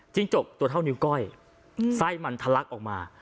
จกตัวเท่านิ้วก้อยไส้มันทะลักออกมา